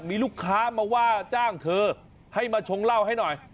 มีลูกค้ามาว่าจ้างเธอให้มาชงเหล้าให้หน่อย